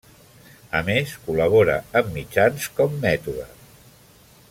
A més, col·labora amb mitjans com Mètode.